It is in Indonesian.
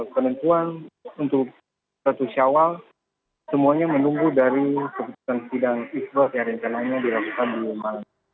penentuan untuk satu syawal semuanya menunggu dari keputusan sidang iswa sehari hari yang dilakukan di rumah